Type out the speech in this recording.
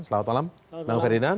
selamat malam bang ferdinand